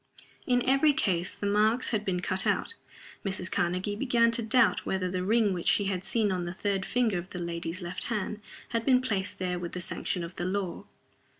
In every case the marks had been cut out. Mrs. Karnegie began to doubt whether the ring which she had seen on the third finger of the lady's left hand had been placed there with the sanction of the law.